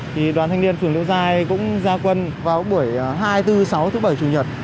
thì đoàn thanh niên phường liễu giai cũng ra quân vào buổi hai thứ sáu thứ bảy chủ nhật